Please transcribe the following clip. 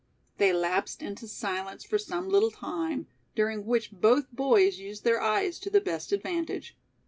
They lapsed into silence for some little time, during which both boys used their eyes to the best advantage.